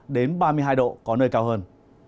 đến ba mươi hai độ có nơi cao hơn